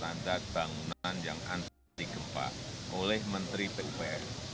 yang diwajibkan untuk memakai standar standar bangunan yang anti gempa oleh menteri pupr